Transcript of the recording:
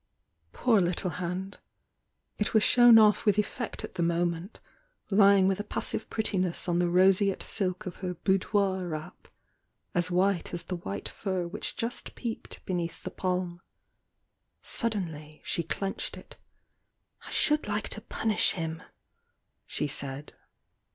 Poor little hand!— H was diZi off with effect at the moment, lymg wi^ a passive prettiness on the roseate silk of her "bmidofr^ap" as white as the white fur which jjTp^^ beneath the palm. Suddenly she '^'iSidd like to punish him!" she said.